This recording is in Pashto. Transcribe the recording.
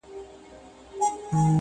سپینو پلوشو یې باطل کړي منترونه دي،